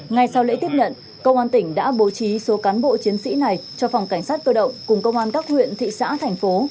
ngay sau lễ tiếp nhận công an tỉnh đã bố trí số cán bộ chiến sĩ này cho phòng cảnh sát cơ động cùng công an các huyện thị xã thành phố